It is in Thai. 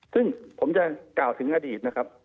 ซึ่งผมจะกล่าวถึงอดีตนะครับ